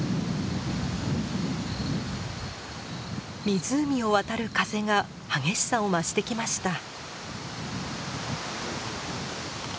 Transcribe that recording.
湖を渡る風が激しさを増してきました。